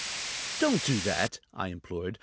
"Don't do that!" I implored.